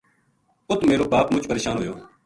اُت میرو باپ مُچ پرشان ہویو